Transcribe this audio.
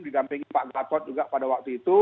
didampingi pak gatot juga pada waktu itu